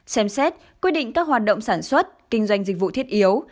xem xét quy định các hoạt động sản xuất kinh doanh dịch vụ thiết yếu